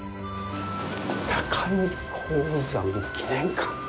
高井鴻山記念館。